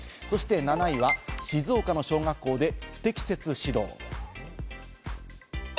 ７位は静岡の小学校で不適切指導。